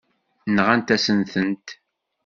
Nɣant-asen-tent.